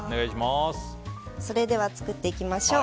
それでは作っていきましょう。